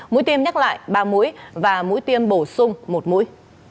mũi tiêm nhắc lại ba mũi và mũi tiêm bổ sung một mũi